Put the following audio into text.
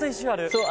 「そう。